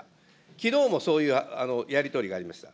きのうもそういうやり取りがありました。